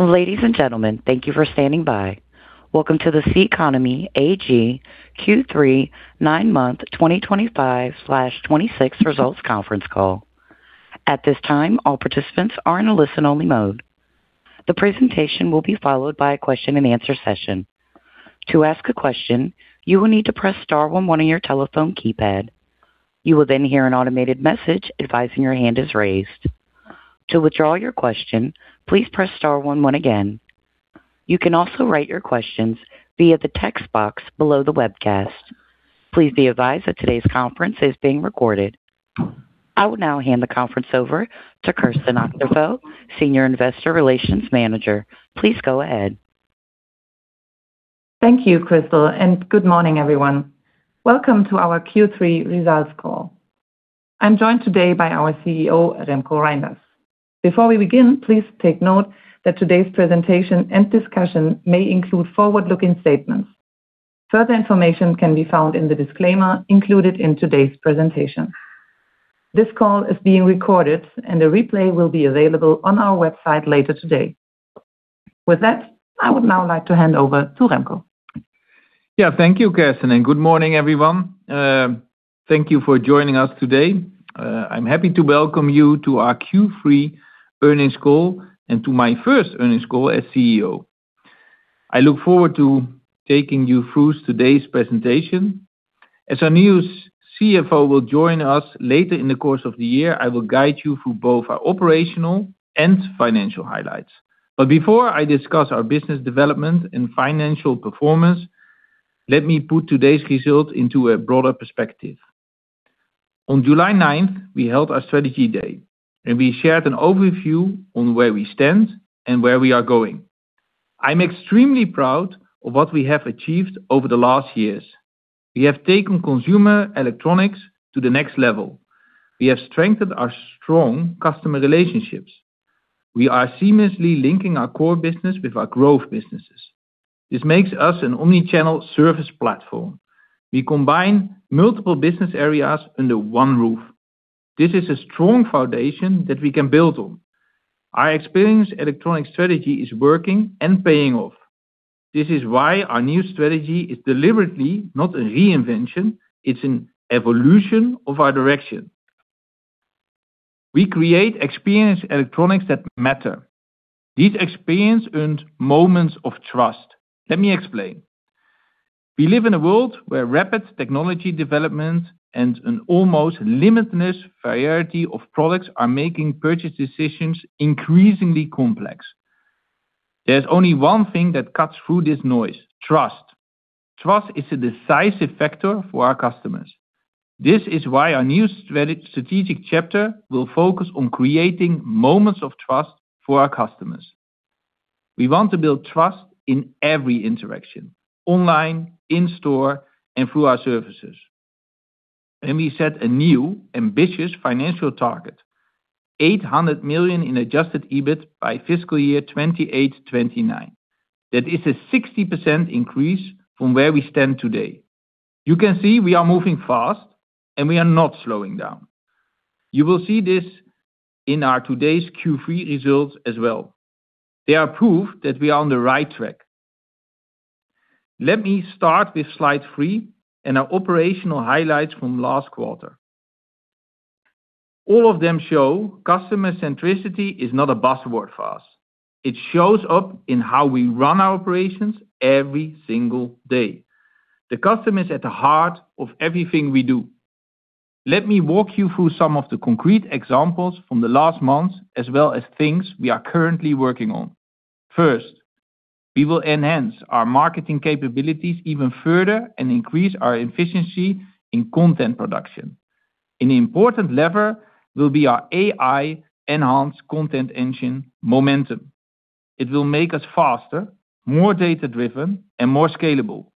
Ladies and gentlemen, thank you for standing by. Welcome to the CECONOMY AG Q3 nine month 2025/2026 results conference call. At this time, all participants are in a listen-only mode. The presentation will be followed by a question and answer session. To ask a question, you will need to press star one one on your telephone keypad. You will then hear an automated message advising your hand is raised. To withdraw your question, please press star one one again. You can also write your questions via the text box below the webcast. Please be advised that today's conference is being recorded. I will now hand the conference over to Kerstin Achterfeldt, Senior Investor Relations Manager. Please go ahead. Thank you, Crystal, and good morning, everyone. Welcome to our Q3 results call. I'm joined today by our Chief Executive Officer, Remko Rijnders. Before we begin, please take note that today's presentation and discussion may include forward-looking statements. Further information can be found in the disclaimer included in today's presentation. This call is being recorded, and a replay will be available on our website later today. With that, I would now like to hand over to Remko. Yeah. Thank you, Kerstin, and good morning, everyone. Thank you for joining us today. I'm happy to welcome you to our Q3 earnings call and to my first earnings call as Chief Executive Officer. I look forward to taking you through today's presentation. As our new Chief Financial Officer will join us later in the course of the year, I will guide you through both our operational and financial highlights. Before I discuss our business development and financial performance, let me put today's results into a broader perspective. On July 9th, we held our strategy day, and we shared an overview on where we stand and where we are going. I'm extremely proud of what we have achieved over the last years. We have taken consumer electronics to the next level. We have strengthened our strong customer relationships. We are seamlessly linking our core business with our growth businesses. This makes us an omnichannel service platform. We combine multiple business areas under one roof. This is a strong foundation that we can build on. Our Experience Electronics strategy is working and paying off. This is why our new strategy is deliberately not a reinvention, it's an evolution of our direction. We create Experience Electronics that matter. These experience earned moments of trust. Let me explain. We live in a world where rapid technology development and an almost limitless variety of products are making purchase decisions increasingly complex. There's only one thing that cuts through this noise: trust. Trust is a decisive factor for our customers. This is why our new strategic chapter will focus on creating moments of trust for our customers. We want to build trust in every interaction online, in store, and through our services. We set a new ambitious financial target, 800 million in adjusted EBIT by fiscal year 2028, 2029. That is a 60% increase from where we stand today. You can see we are moving fast. We are not slowing down. You will see this in our today's Q3 results as well. They are proof that we are on the right track. Let me start with slide three and our operational highlights from last quarter. All of them show customer centricity is not a buzzword for us. It shows up in how we run our operations every single day. The customer is at the heart of everything we do. Let me walk you through some of the concrete examples from the last months as well as things we are currently working on. First, we will enhance our marketing capabilities even further and increase our efficiency in content production. An important lever will be our AI-enhanced content engine momentum. It will make us faster, more data-driven, and more scalable.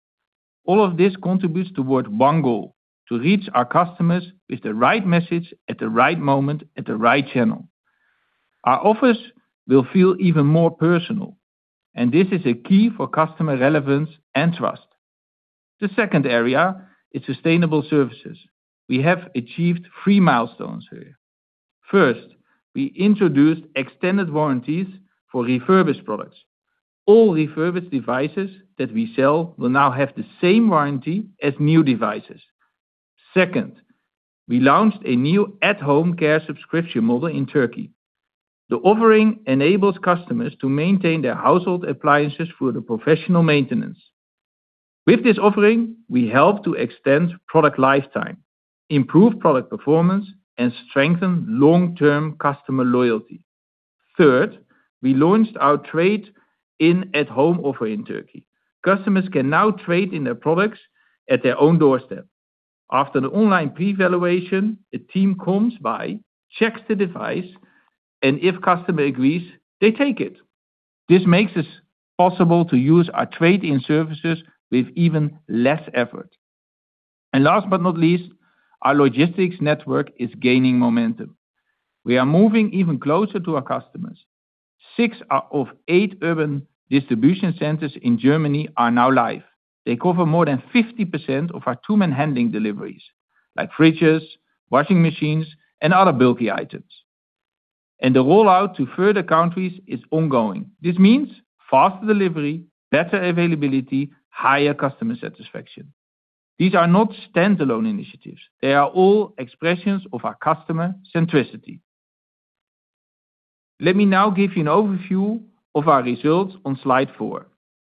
All of this contributes towards one goal: to reach our customers with the right message, at the right moment, at the right channel. Our offers will feel even more personal. This is a key for customer relevance and trust. The second area is sustainable services. We have achieved three milestones here. First, we introduced extended warranties for refurbished products. All refurbished devices that we sell will now have the same warranty as new devices. Second, we launched a new at-home care subscription model in Turkey. The offering enables customers to maintain their household appliances through the professional maintenance. With this offering, we help to extend product lifetime, improve product performance, and strengthen long-term customer loyalty. Third, we launched our trade-in at home offer in Turkey. Customers can now trade in their products at their own doorstep. After the online pre-evaluation, a team comes by, checks the device, and if customer agrees, they take it. This makes us possible to use our trade-in services with even less effort. Last but not least, our logistics network is gaining momentum. We are moving even closer to our customers. Six of eight urban distribution centers in Germany are now live. They cover more than 50% of our two-man handling deliveries like fridges, washing machines, and other bulky items. The rollout to further countries is ongoing. This means faster delivery, better availability, higher customer satisfaction. These are not standalone initiatives. They are all expressions of our customer centricity. Let me now give you an overview of our results on slide four.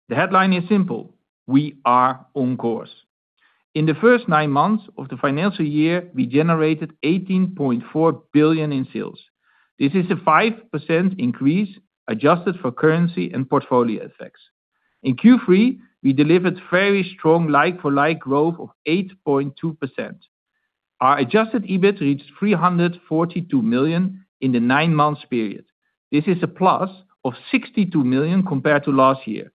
The headline is simple: we are on course. In the first nine months of the financial year, we generated 18.4 billion in sales. This is a 5% increase adjusted for currency and portfolio effects. In Q3, we delivered very strong like-for-like growth of 8.2%. Our adjusted EBIT reached 342 million in the nine month period. This is a plus of 62 million compared to last year.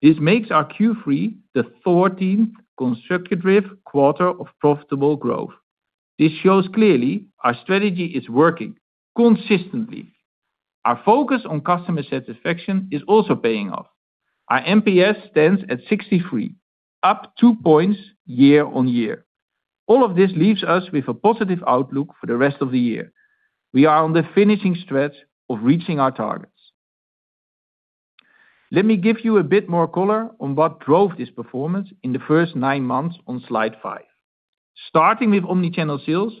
This makes our Q3 the 14th consecutive quarter of profitable growth. This shows clearly our strategy is working consistently. Our focus on customer satisfaction is also paying off. Our NPS stands at 63, up 2 points year-on-year. All of this leaves us with a positive outlook for the rest of the year. We are on the finishing stretch of reaching our targets. Let me give you a bit more color on what drove this performance in the first nine months on slide five. Starting with omnichannel sales,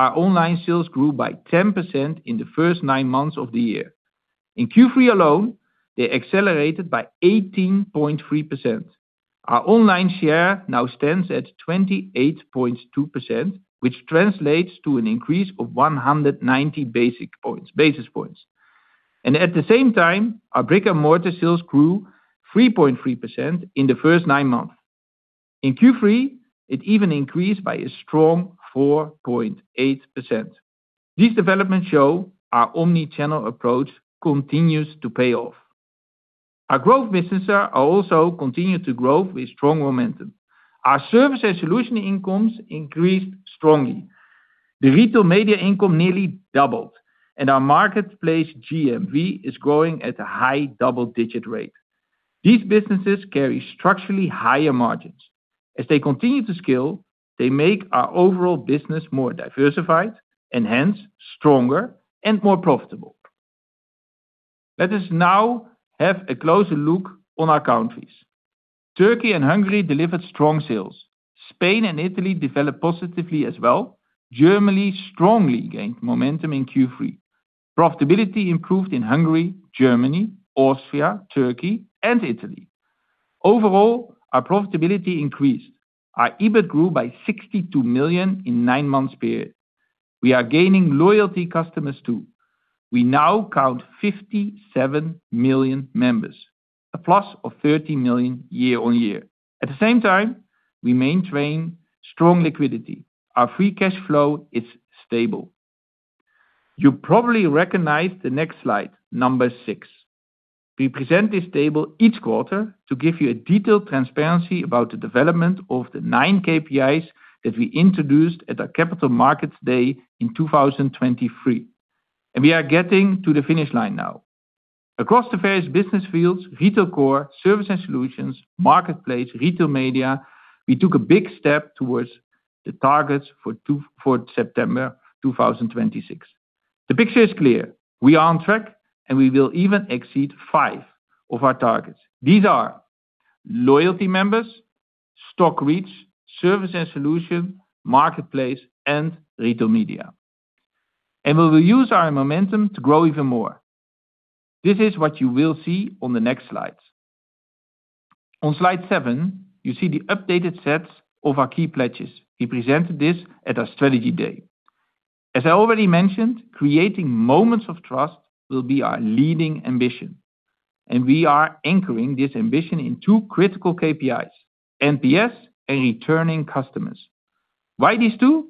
our online sales grew by 10% in the first nine months of the year. In Q3 alone, they accelerated by 18.3%. Our online share now stands at 28.2%, which translates to an increase of 190 basis points. At the same time, our brick-and-mortar sales grew 3.3% in the first nine months. In Q3, it even increased by a strong 4.8%. These developments show our omnichannel approach continues to pay off. Our growth businesses are also continuing to grow with strong momentum. Our Services & Solutions incomes increased strongly. The Retail Media income nearly doubled, and our Marketplace GMV is growing at a high double-digit rate. These businesses carry structurally higher margins. As they continue to scale, they make our overall business more diversified, and hence stronger and more profitable. Let us now have a closer look on our countries. Turkey and Hungary delivered strong sales. Spain and Italy developed positively as well. Germany strongly gained momentum in Q3. Profitability improved in Hungary, Germany, Austria, Turkey and Italy. Overall, our profitability increased. Our EBIT grew by 62 million in nine months period. We are gaining loyalty customers, too. We now count 57 million members, a plus of 13 million year-on-year. At the same time, we maintain strong liquidity. Our free cash flow is stable. You probably recognize the next slide, number 6. We present this table each quarter to give you a detailed transparency about the development of the nine KPIs that we introduced at our Capital Markets Day in 2023. We are getting to the finish line now. Across the various business fields, Retail Core, Services & Solutions, Marketplace, Retail Media, we took a big step towards the targets for September 2026. The picture is clear. We are on track, we will even exceed five of our targets. These are loyalty members, store reach, Services & Solutions, Marketplace, and Retail Media. We will use our momentum to grow even more. This is what you will see on the next slides. On slide seven, you see the updated sets of our key pledges. We presented this at our Strategy Day. As I already mentioned, creating moments of trust will be our leading ambition. We are anchoring this ambition in two critical KPIs, NPS and returning customers. Why these two?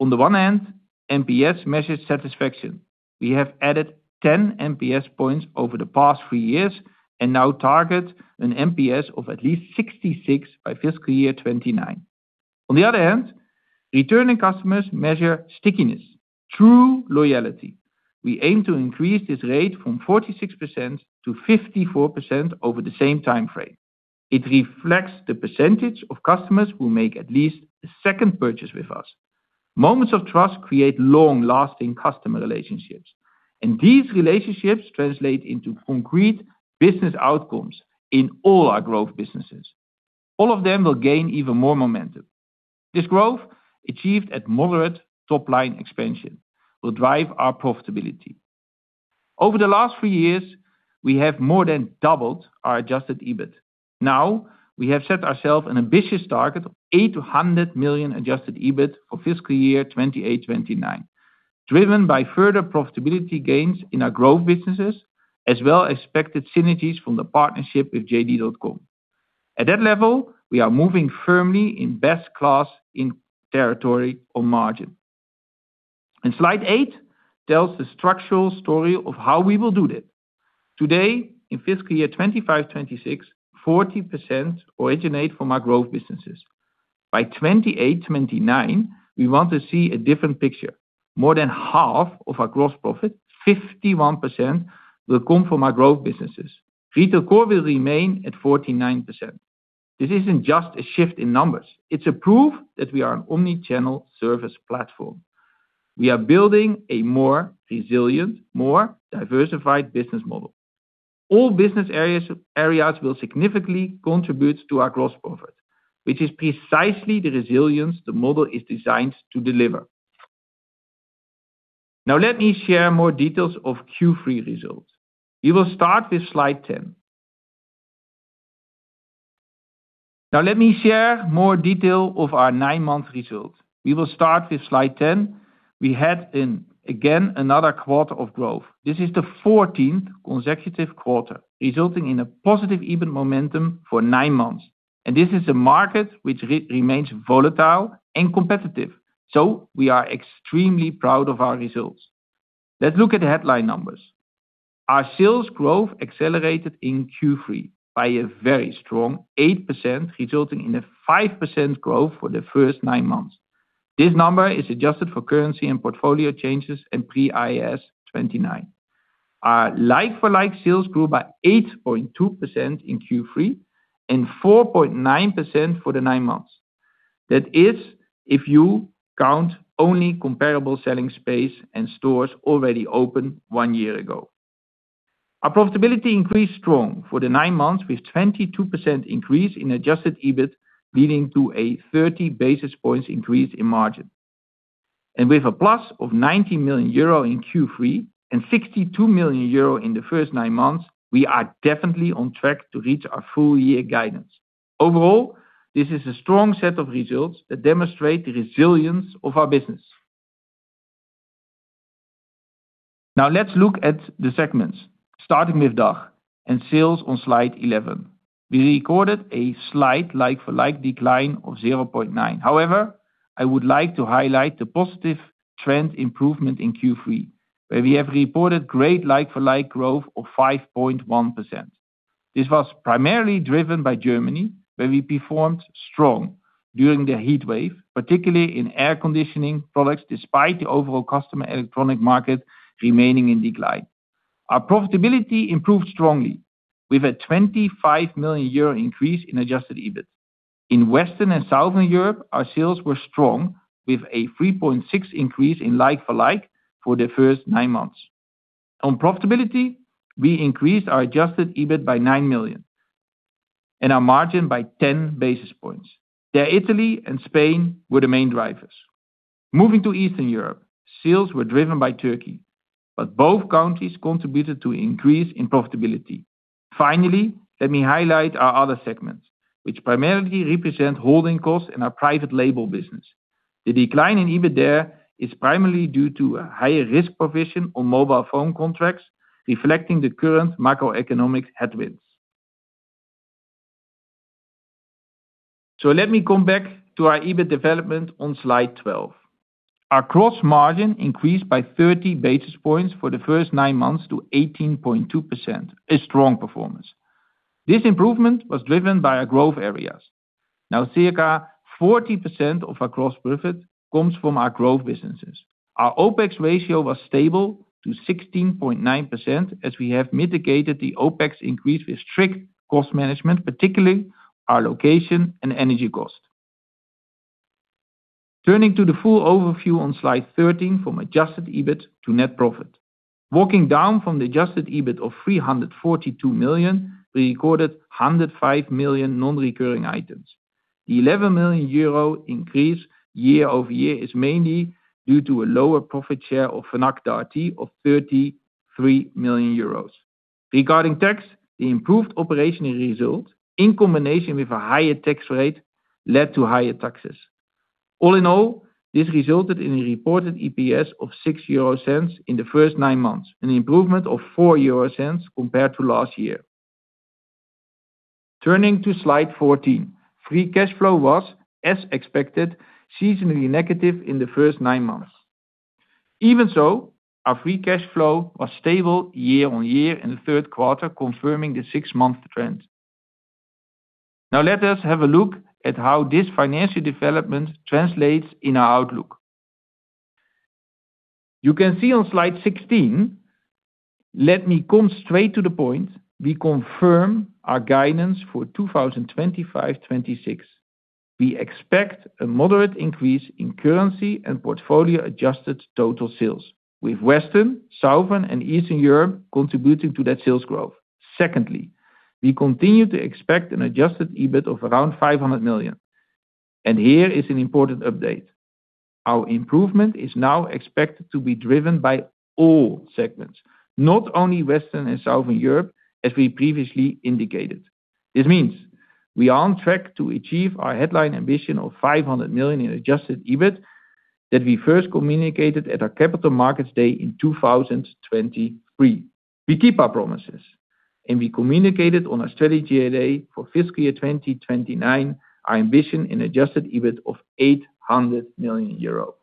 On the one hand, NPS measures satisfaction. We have added 10 NPS points over the past three years and now target an NPS of at least 66 by fiscal year 2029. On the other hand, returning customers measure stickiness, true loyalty. We aim to increase this rate from 46%-54% over the same time frame. It reflects the percentage of customers who make at least a second purchase with us. Moments of trust create long-lasting customer relationships, and these relationships translate into concrete business outcomes in all our growth businesses. All of them will gain even more momentum. This growth, achieved at moderate top-line expansion, will drive our profitability. Over the last three years, we have more than doubled our adjusted EBIT. Now, we have set ourselves an ambitious target of 800 million adjusted EBIT for fiscal year 2028, 2029, driven by further profitability gains in our growth businesses, as well as expected synergies from the partnership with JD.com. At that level, we are moving firmly in best class in territory on margin. Slide eight tells the structural story of how we will do that. Today, in fiscal year 2025, 2026, 40% originate from our growth businesses. By 2028, 2029, we want to see a different picture. More than half of our gross profit, 51%, will come from our growth businesses. Retail Core will remain at 49%. This isn't just a shift in numbers. It's proof that we are an omnichannel service platform. We are building a more resilient, more diversified business model. All business areas will significantly contribute to our gross profit, which is precisely the resilience the model is designed to deliver. Now, let me share more details of Q3 results. We will start with slide 10. Now, let me share more detail of our nine-month result. We will start with slide 10. We had, again, another quarter of growth. This is the 14th consecutive quarter, resulting in a positive EBIT momentum for nine months. This is a market which remains volatile and competitive. We are extremely proud of our results. Let's look at the headline numbers. Our sales growth accelerated in Q3 by a very strong 8%, resulting in a 5% growth for the first nine months. This number is adjusted for currency and portfolio changes and pre-IAS 29. Our like-for-like sales grew by 8.2% in Q3 and 4.9% for the nine months. That is, if you count only comparable selling space and stores already open one year ago. Our profitability increased strong for the nine months with 22% increase in adjusted EBIT, leading to a 30 basis points increase in margin. With a plus of 90 million euro in Q3 and 62 million euro in the first nine months, we are definitely on track to reach our full year guidance. Overall, this is a strong set of results that demonstrate the resilience of our business. Let's look at the segments, starting with DACH and sales on slide 11. We recorded a slight like-for-like decline of 0.9%. However, I would like to highlight the positive trend improvement in Q3, where we have reported great like-for-like growth of 5.1%. This was primarily driven by Germany, where we performed strong during the heatwave, particularly in air conditioning products, despite the overall consumer electronic market remaining in decline. Our profitability improved strongly with a 25 million euro increase in adjusted EBIT. In Western and Southern Europe, our sales were strong with a 3.6% increase in like-for-like for the first nine months. On profitability, we increased our adjusted EBIT by 9 million and our margin by 10 basis points. There, Italy and Spain were the main drivers. Moving to Eastern Europe, sales were driven by Turkey. Both countries contributed to increase in profitability. Finally, let me highlight our other segments, which primarily represent holding costs in our private label business. The decline in EBIT there is primarily due to a higher risk provision on mobile phone contracts, reflecting the current macroeconomic headwinds. Let me come back to our EBIT development on slide 12. Our gross margin increased by 30 basis points for the first nine months to 18.2%, a strong performance. This improvement was driven by our growth areas. Circa 40% of our gross profit comes from our growth businesses. Our OpEx ratio was stable to 16.9% as we have mitigated the OpEx increase with strict cost management, particularly our location and energy cost. Turning to the full overview on slide 13 from adjusted EBIT to net profit. Walking down from the adjusted EBIT of 342 million, we recorded 105 million non-recurring items. The 11 million euro increase year-over-year is mainly due to a lower profit share of Fnac Darty of 33 million euros. Regarding tax, the improved operational result, in combination with a higher tax rate, led to higher taxes. All in all, this resulted in a reported EPS of 0.06 in the first nine months, an improvement of 0.04 compared to last year. Turning to slide 14, free cash flow was, as expected, seasonally negative in the first nine months. Even so, our free cash flow was stable year-on-year in the third quarter, confirming the six-month trend. Let us have a look at how this financial development translates in our outlook. You can see on slide 16, let me come straight to the point, we confirm our guidance for 2025/2026. We expect a moderate increase in currency and portfolio-adjusted total sales, with Western, Southern, and Eastern Europe contributing to that sales growth. Secondly, we continue to expect an adjusted EBIT of around 500 million. Here is an important update. Our improvement is now expected to be driven by all segments, not only Western and Southern Europe, as we previously indicated. This means we are on track to achieve our headline ambition of 500 million in adjusted EBIT that we first communicated at our Capital Markets Day in 2023. We keep our promises, and we communicated on our strategy day for fiscal year 2029, our ambition in adjusted EBIT of 800 million euros.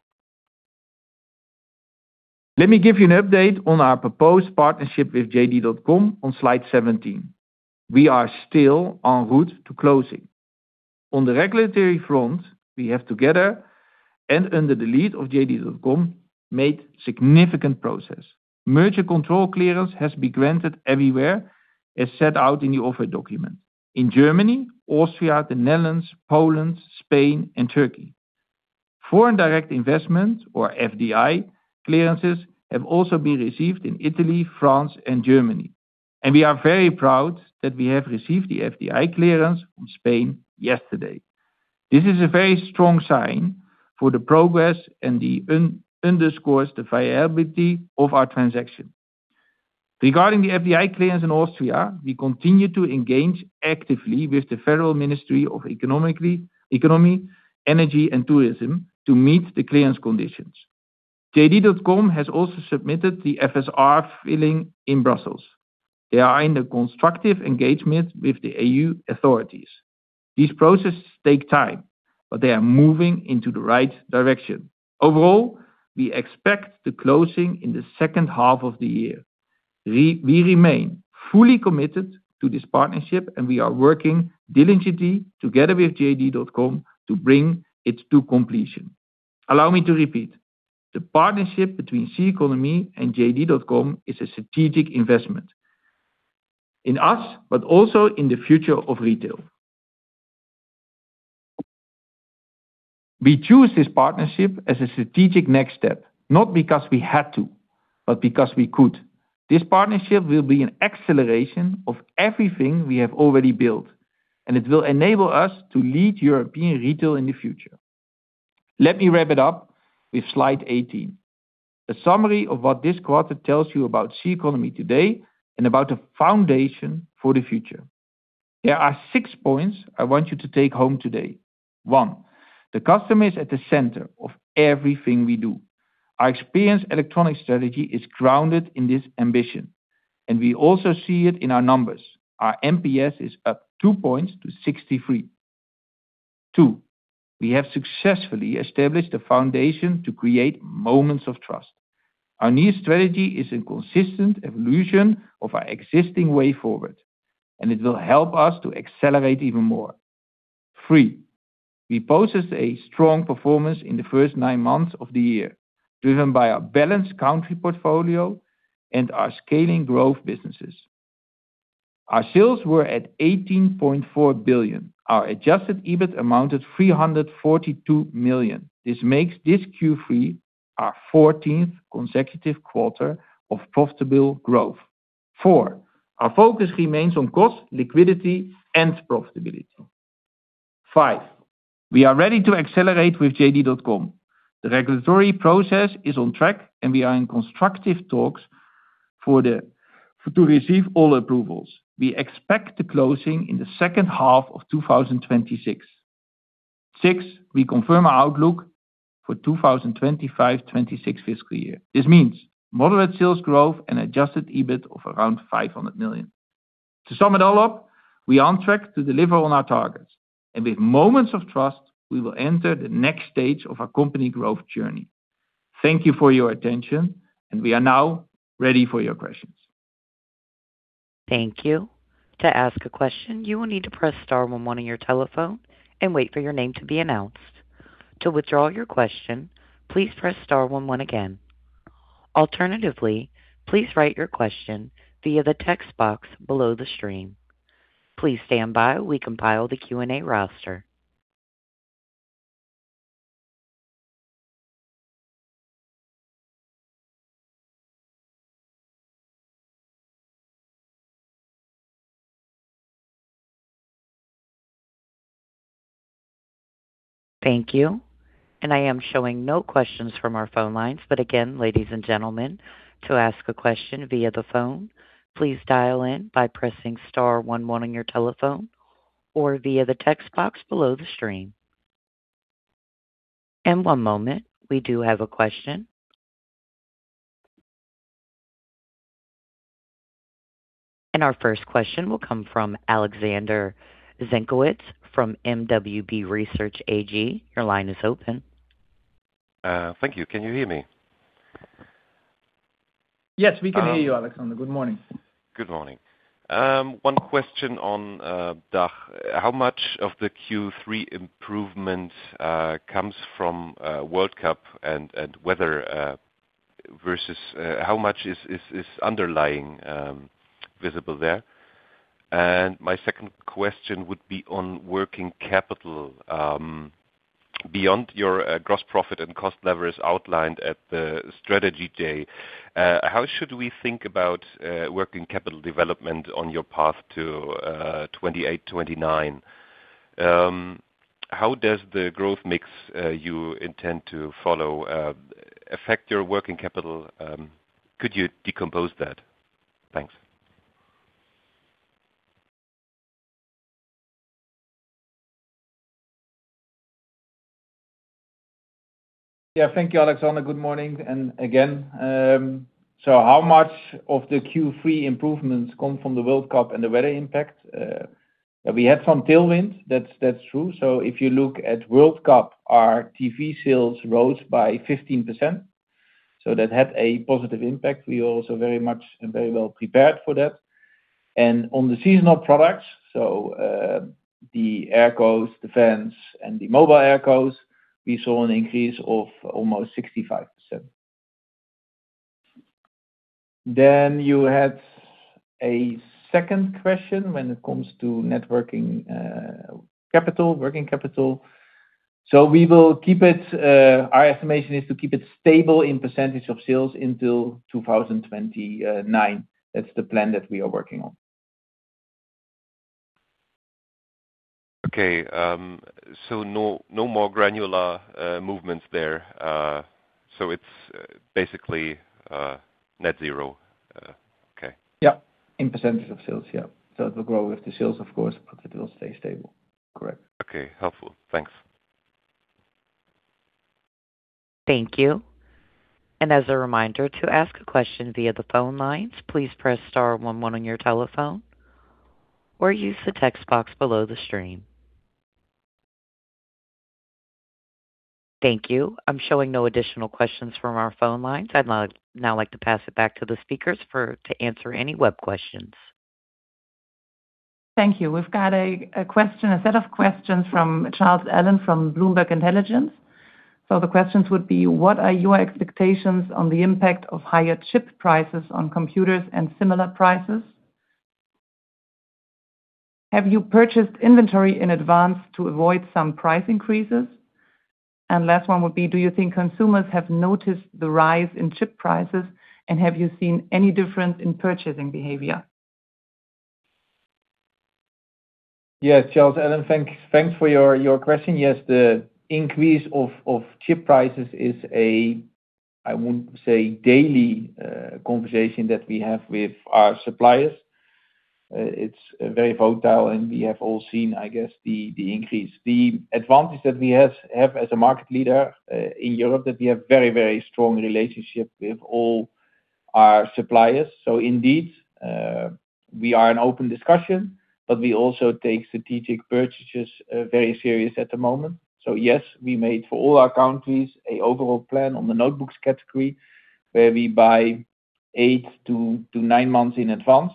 Let me give you an update on our proposed partnership with JD.com on slide 17. We are still on route to closing. On the regulatory front, we have together, and under the lead of JD.com, made significant progress. Merger control clearance has been granted everywhere as set out in the offer document. In Germany, Austria, the Netherlands, Poland, Spain, and Turkey. Foreign direct investment, or FDI, clearances have also been received in Italy, France, and Germany, and we are very proud that we have received the FDI clearance from Spain yesterday. This is a very strong sign for the progress and it underscores the viability of our transaction. Regarding the FDI clearance in Austria, we continue to engage actively with the Federal Ministry of Economy, Energy and Tourism to meet the clearance conditions. JD.com has also submitted the FSR filing in Brussels. They are in a constructive engagement with the EU authorities. These processes take time, but they are moving into the right direction. Overall, we expect the closing in the second half of the year. We remain fully committed to this partnership, and we are working diligently together with JD.com to bring it to completion. Allow me to repeat. The partnership between CECONOMY and JD.com is a strategic investment in us, but also in the future of retail. We choose this partnership as a strategic next step, not because we had to, but because we could. This partnership will be an acceleration of everything we have already built, and it will enable us to lead European retail in the future. Let me wrap it up with slide 18. A summary of what this quarter tells you about CECONOMY today and about the foundation for the future. There are 6 points I want you to take home today. 1. The customer is at the center of everything we do. Our Experience Electronics strategy is grounded in this ambition, and we also see it in our numbers. Our NPS is up 2 points to 63. 2. We have successfully established a foundation to create Moments of Trust. Our new strategy is a consistent evolution of our existing way forward, and it will help us to accelerate even more. 3. We posted a strong performance in the first nine months of the year, driven by our balanced country portfolio and our scaling growth businesses. Our sales were at 18.4 billion. Our adjusted EBIT amounted 342 million. This makes this Q3 our 14th consecutive quarter of profitable growth. 4. Our focus remains on cost, liquidity, and profitability. 5. We are ready to accelerate with JD.com. The regulatory process is on track and we are in constructive talks to receive all approvals. We expect the closing in the second half of 2026. 6. We confirm our outlook for 2025/2026 fiscal year. This means moderate sales growth and adjusted EBIT of around 500 million. To sum it all up, we are on track to deliver on our targets, and with Moments of Trust, we will enter the next stage of our company growth journey. Thank you for your attention, we are now ready for your questions. Thank you. To ask a question, you will need to press star one one on your telephone and wait for your name to be announced. To withdraw your question, please press star one one again. Alternatively, please write your question via the text box below the stream. Please stand by, we compile the Q&A roster. Thank you. I am showing no questions from our phone lines, but again, ladies and gentlemen, to ask a question via the phone, please dial in by pressing star one one on your telephone or via the text box below the stream. One moment, we do have a question. Our first question will come from Alexander Zienkowicz from mwb research AG. Your line is open. Thank you. Can you hear me? Yes, we can hear you, Alexander. Good morning. Good morning. One question on DACH. How much of the Q3 improvement comes from World Cup and weather, versus how much is underlying visible there? My second question would be on working capital. Beyond your gross profit and cost levers outlined at the Capital Markets Day, how should we think about working capital development on your path to 2028, 2029? How does the growth mix you intend to follow affect your working capital? Could you decompose that? Thanks. Thank you, Alexander. Good morning again. How much of the Q3 improvements come from the World Cup and the weather impact? We had some tailwind, that's true. If you look at World Cup, our TV sales rose by 15%. That had a positive impact. We also very much and very well prepared for that. On the seasonal products, the aircos, the fans, and the mobile aircos, we saw an increase of almost 65%. You had a second question when it comes to working capital. Our estimation is to keep it stable in percentage of sales until 2029. That's the plan that we are working on. Okay. No more granular movements there. It's basically net zero. Okay. In percentage of sales, yeah. It will grow with the sales, of course, but it will stay stable. Correct. Okay, helpful. Thanks. Thank you. As a reminder, to ask a question via the phone lines, please press star one, one on your telephone, or use the text box below the stream. Thank you. I'm showing no additional questions from our phone lines. I'd now like to pass it back to the speakers to answer any web questions. Thank you. We've got a set of questions from Charles Allen from Bloomberg Intelligence. The questions would be, what are your expectations on the impact of higher chip prices on computers and similar prices? Have you purchased inventory in advance to avoid some price increases? Last one would be, do you think consumers have noticed the rise in chip prices? Have you seen any difference in purchasing behavior? Yes, Charles Allen, thanks for your question. The increase of chip prices is a, I would say, daily conversation that we have with our suppliers. It's very volatile, and we have all seen, I guess, the increase. The advantage that we have as a market leader, in Europe, that we have very, very strong relationship with all our suppliers. Indeed, we are an open discussion, but we also take strategic purchases very serious at the moment. Yes, we made for all our countries a overall plan on the notebooks category, where we buy eight to nine months in advance.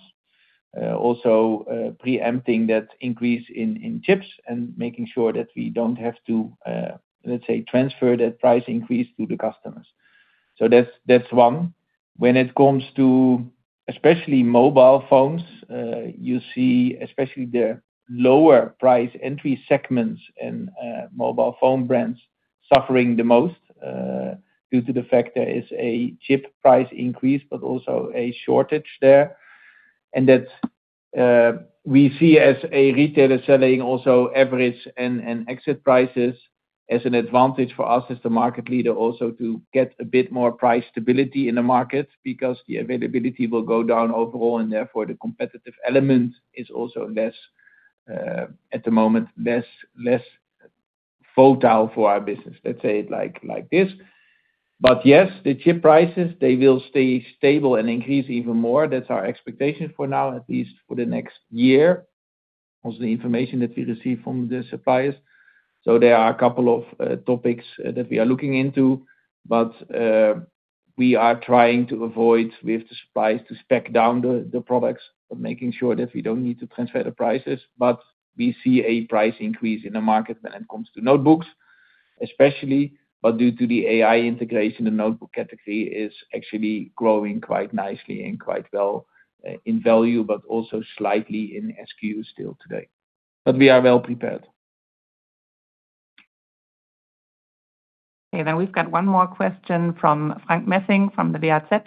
Also preempting that increase in chips and making sure that we don't have to, let's say, transfer that price increase to the customers. That's one. When it comes to especially mobile phones, you see, especially the lower price entry segments in mobile phone brands suffering the most, due to the fact there is a chip price increase, but also a shortage there. That we see as a retailer selling also average and exit prices as an advantage for us as the market leader also to get a bit more price stability in the market because the availability will go down overall, and therefore, the competitive element is also less, at the moment, less volatile for our business. Let's say it like this. Yes, the chip prices, they will stay stable and increase even more. That's our expectation for now, at least for the next year. Also, the information that we receive from the suppliers. There are a couple of topics that we are looking into, but we are trying to avoid with the suppliers to spec down the products, but making sure that we don't need to transfer the prices. We see a price increase in the market when it comes to notebooks, especially. Due to the AI integration, the notebook category is actually growing quite nicely and quite well in value, but also slightly in SKUs still today. We are well prepared. Okay. We've got one more question from Frank Meßing from the WAZ.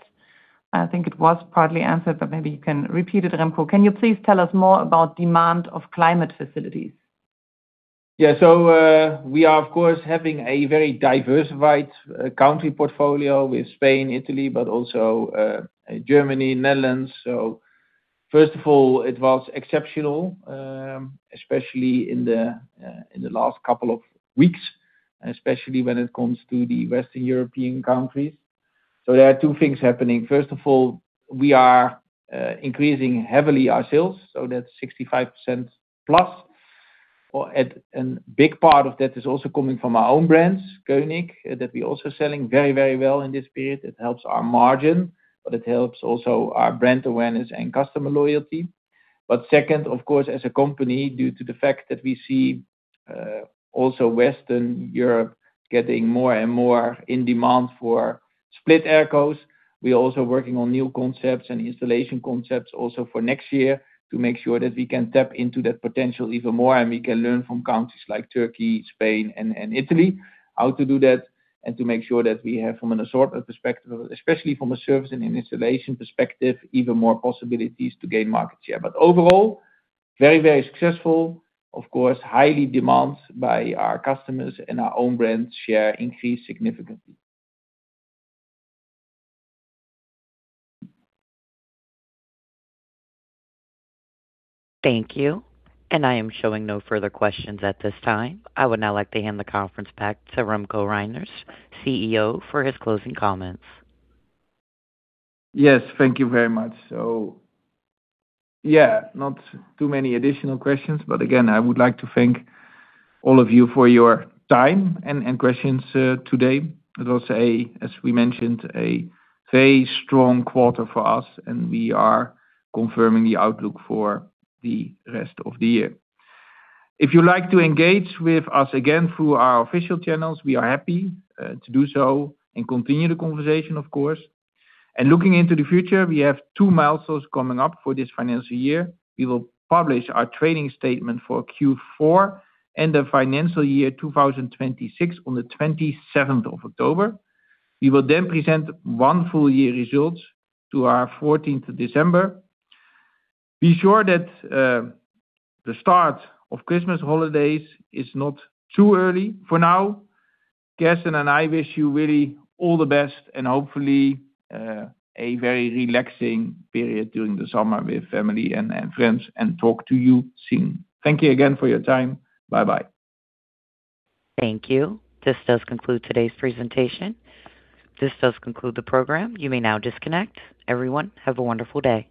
I think it was partly answered, but maybe you can repeat it, Remko. Can you please tell us more about demand of climate facilities? We are, of course, having a very diversified country portfolio with Spain, Italy, but also Germany, Netherlands. First of all, it was exceptional, especially in the last couple of weeks, especially when it comes to the Western European countries. There are two things happening. First of all, we are increasing heavily our sales, that's 65%+. Big part of that is also coming from our own brands, Koenic, that we're also selling very, very well in this period. It helps our margin, but it helps also our brand awareness and customer loyalty. Second, of course, as a company, due to the fact that we see, also Western Europe getting more and more in demand for split aircos. We're also working on new concepts and installation concepts also for next year to make sure that we can tap into that potential even more. We can learn from countries like Turkey, Spain, and Italy, how to do that, to make sure that we have from an assortment perspective, especially from a service and an installation perspective, even more possibilities to gain market share. Overall, very, very successful. Of course, highly demand by our customers and our own brand share increased significantly. Thank you. I am showing no further questions at this time. I would now like to hand the conference back to Remko Rijnders, Chief Executive Officer, for his closing comments. Thank you very much. Yeah, not too many additional questions, again, I would like to thank all of you for your time and questions today. It was a, as we mentioned, a very strong quarter for us. We are confirming the outlook for the rest of the year. If you'd like to engage with us again through our official channels, we are happy to do so and continue the conversation, of course. Looking into the future, we have two milestones coming up for this financial year. We will publish our trading statement for Q4 and the financial year 2026 on the 27th of October. We will then present one full year results to our 14th of December. Be sure that the start of Christmas holidays is not too early. For now, Kerstin and I wish you really all the best, hopefully, a very relaxing period during the summer with family and friends, talk to you soon. Thank you again for your time. Bye-bye. Thank you. This does conclude today's presentation. This does conclude the program. You may now disconnect. Everyone, have a wonderful day.